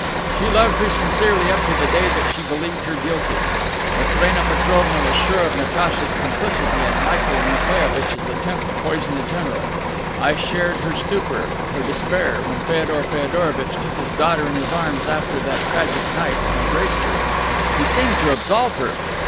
"She loved her sincerely up to the day that she believed her guilty. Matrena Petrovna was sure of Natacha's complicity in Michael Nikolaievitch's attempt to poison the general. I shared her stupor, her despair, when Feodor Feodorovitch took his daughter in his arms after that tragic night, and embraced her. He seemed to absolve her.